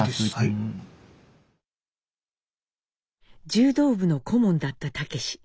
柔道部の顧問だった武。